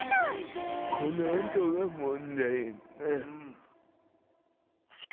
このあとが問題やんな。